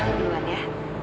jangan diluar ya